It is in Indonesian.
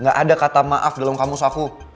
nggak ada kata maaf di dalam kamus aku